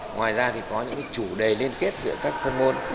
ngoài ra thì có những chủ đề liên kết giữa các phân môn